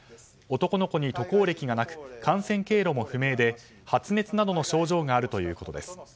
男の子に渡航歴がなく感染経路も不明で、発熱などの症状があるということです。